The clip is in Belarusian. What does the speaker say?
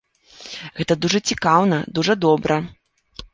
Гэта дужа цікаўна, дужа добра.